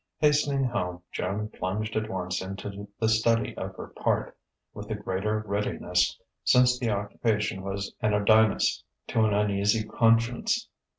Hastening home, Joan plunged at once into the study of her part, with the greater readiness since the occupation was anodynous to an uneasy conscience.